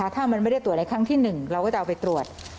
ถ้ามันไม่ได้ตรวจในครั้งที่๑เราก็จะเอาไปตรวจ